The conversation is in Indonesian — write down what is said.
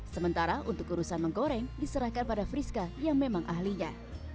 sementara untuk urusan menggoreng diserahkan pada friska yang memang ahlinya